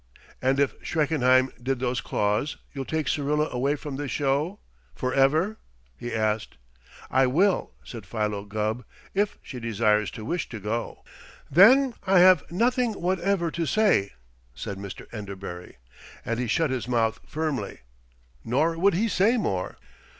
"And if Schreckenheim did those claws, you'll take Syrilla away from this show? Forever?" he asked. "I will," said Philo Gubb, "if she desires to wish to go." "Then I have nothing whatever to say," said Mr. Enderbury, and he shut his mouth firmly; nor would he say more.